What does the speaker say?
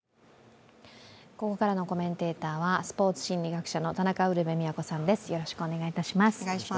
ここからのコメンテーターはスポーツ心理学者の田中ウルヴェ京さんです。